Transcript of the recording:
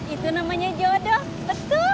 itu namanya jodoh betul